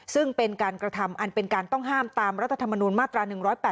ซึ่งเป็นการกระทำอันเป็นการต้องห้ามตามรัฐธรรมนูญมาตรา๑๘๘